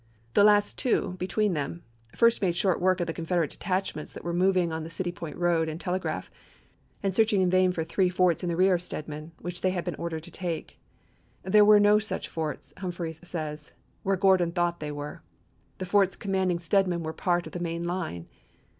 The last two, between them, first made short work of the Confederate detachments that were moving on the City Point road and telegraph and searching in vain for three forts in the rear of Stedman which they FIVE FOKKS 163 had been ordered to take ; there were no such forts chap. vm. Humphreys says, where Gordon thought they were; Hum g the forts commanding Stedman were part of the vlSnil main line.